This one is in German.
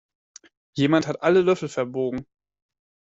Jemand hat alle Löffel verbogen.